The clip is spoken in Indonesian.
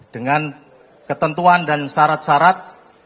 dengan ketentuan dan syarat syarat